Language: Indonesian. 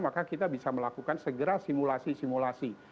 maka kita bisa melakukan segera simulasi simulasi